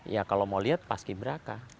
ya kalau mau lihat paski beraka